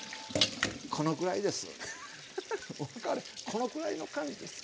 このくらいの感じです。